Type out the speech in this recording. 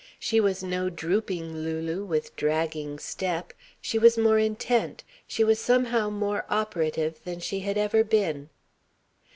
She was no drooping Lulu with dragging step. She was more intent, she was somehow more operative than she had ever been.